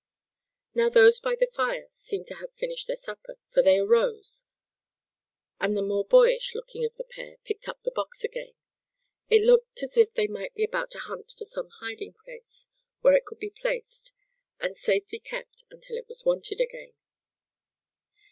Now those by the fire seemed to have finished their supper, for they arose, and the more boyish looking of the pair picked up the box again. It looked as though they might be about to hunt for some hiding place, where it could be placed, and safely kept until it was wanted again.